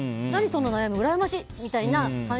その悩みうらやましい！みたいな。